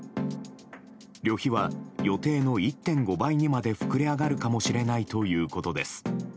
旅費は予定の１．５倍にまで膨れ上がるかもしれないということです。